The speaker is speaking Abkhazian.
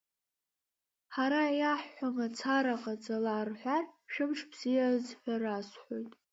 Ҳара иааҳҳәо мацара ҟаҵала рҳәар, шәымш бзиаз ҳәа расҳәоит.